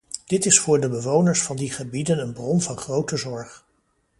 Dit is voor de bewoners van die gebieden een bron van grote zorg.